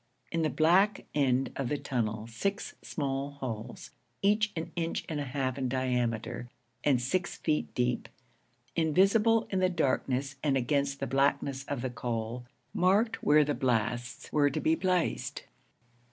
In the black end of the tunnel six small holes, each an inch and a half in diameter and six feet deep, invisible in the darkness and against the blackness of the coal, marked where the blasts were to be placed.